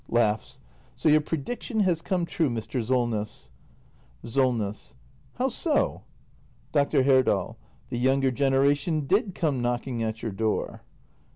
So your predic tion has come true, Mr. Solness! SOLNESS. How so ? Dr. Herdal. The younger generation d i d come knocking at your door.